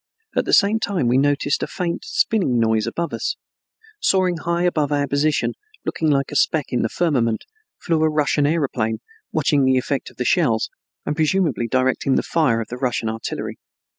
At the same time, we noticed a faint spinning noise above us. Soaring high above our position, looking like a speck in the firmament, flew a Russian aeroplane, watching the effect of the shells and presumably directing the fire of the Russian artillery.